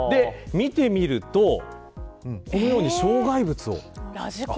見てみるとこのように障害物を。